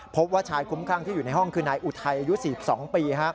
พบว่าชายคุ้มครั่งที่อยู่ในห้องคือนายอุทัยอายุ๔๒ปี